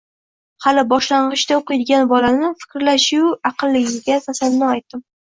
Hali boshlangʻichda oʻqiydigan bolani, fikrlashi-yu, aqlliligiga tasanno aytdim.